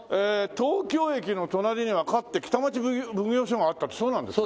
「東京駅の隣にはかつて北町奉行所があった」ってそうなんですか？